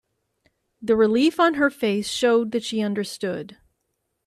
The relief on her face showed that she understood.